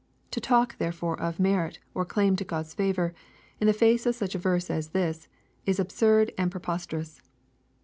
To talk therefore of merit or claim to God's favor, in the face of such a verse as this, is absurd and preposterous.